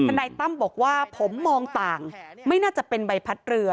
นายตั้มบอกว่าผมมองต่างไม่น่าจะเป็นใบพัดเรือ